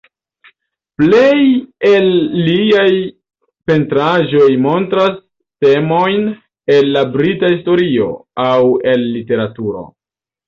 Plej el liaj pentraĵoj montras temojn el la Brita historio, aŭ el literaturo.